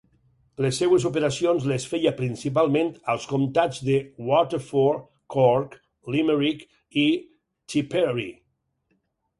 Les seves operacions les feia principalment als comtats de Waterford, Cork, Limerick, i Tipperary.